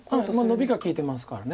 ノビが利いてますから。